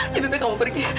lebih baik kamu pergi